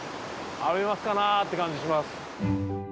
アメマスかなって感じします。